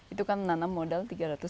itu kan menanam modal tiga ratus lima puluh